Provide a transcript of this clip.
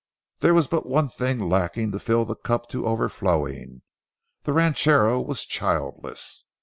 There was but one thing lacking to fill the cup to overflowing—the ranchero was childless.